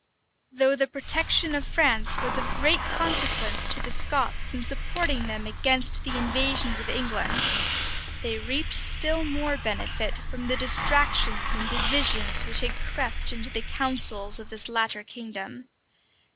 Though the protection of France was of great consequence to the Scots in supporting them against the invasions of England, they reaped still more benefit from the distractions and divisions which have crept into the councils of this latter kingdom.